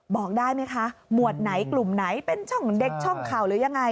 บอกได้ไหมคะหมวดไหนกลุ่มไหนเป็นช่องเด็กช่องเข่าหรือยังไง